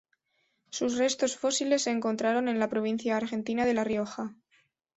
Sus restos fósiles se encontraron en la provincia Argentina de La Rioja.